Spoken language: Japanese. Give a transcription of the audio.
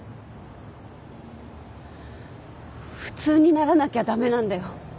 普通にならなきゃ駄目なんだよ。